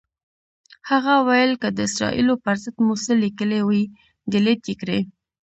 هغه ویل که د اسرائیلو پر ضد مو څه لیکلي وي، ډیلیټ یې کړئ.